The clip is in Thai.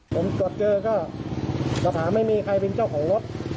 ผมจอดเจอก็หลับหาไม่มีใครเป็นเจ้าของรถ